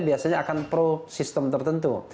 biasanya akan pro sistem tertentu